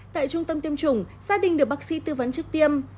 tại trung tâm tiêm chủng gia đình được bác sĩ tư vấn trước tiêm